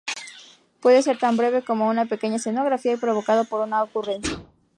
Puede ser tan breve como una pequeña escenografía y provocado por una ocurrencia.